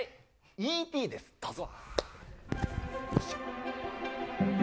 ＥＴです、どうぞ。